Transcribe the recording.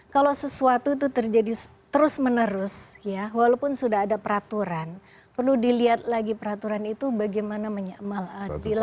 kalau sesuatu itu terjadi terus menerus ya walaupun sudah ada peraturan perlu dilihat lagi peraturan itu bagaimana